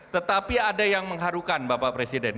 tetapi ada yang mengharukan bapak presiden